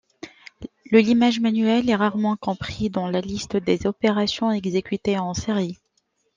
Le limage manuel est rarement compris dans la liste des opérations exécutées en série.